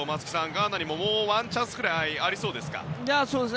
ガーナにも、もうワンチャンスありそうですか。